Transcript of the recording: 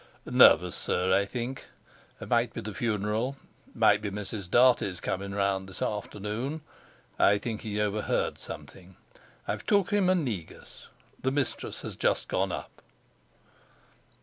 "Nervous, sir, I think. Might be the funeral; might be Mrs. Dartie's comin' round this afternoon. I think he overheard something. I've took him in a negus. The mistress has just gone up."